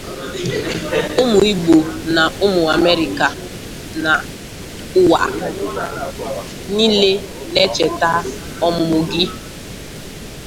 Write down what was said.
Ụmụ Igbo na ụmụ Amerịka na ụwa nile na-echeta ọmụmụ gị.